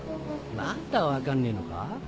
まだ分かんねえのか？